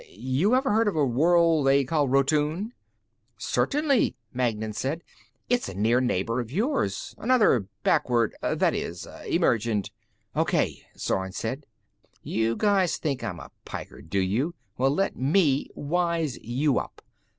You ever heard of a world they call Rotune?" "Certainly," Magnan said. "It's a near neighbor of yours. Another backward that is, emergent " "Okay," Zorn said. "You guys think I'm a piker, do you? Well, let me wise you up.